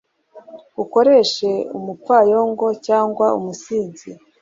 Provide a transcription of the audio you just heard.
Ukoresha umupfayongo cyangwa umusinzi